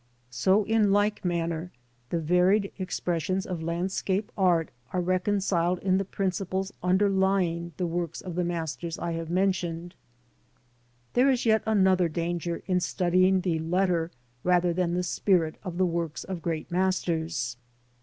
So in like manner the varied B X PREFACE. expressions of landscape art are reconciled in the principles underlying the works of the masters I have mentioned. There is yet another danger in studying the letter, rather than the spirit of the works of great masters.